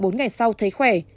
ba bốn ngày sau thấy khỏe